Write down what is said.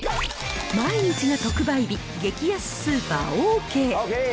毎日が特売日、激安スーパー、オーケー。